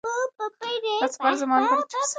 دا سفر زما لپاره د یوې نوې تجربې پیل و.